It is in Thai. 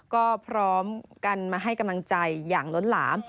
ก็พร้อมกันมาให้กำลังใจอย่างล้นหลาม